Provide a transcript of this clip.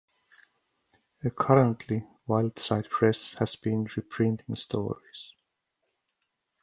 Currently, Wildside Press has been reprinting stories.